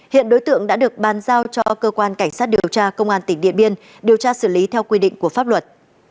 hiện đối tượng đã được bàn giao cho cơ quan cảnh sát điều tra công an tỉnh điện biên điều tra xử lý theo quy định của pháp luật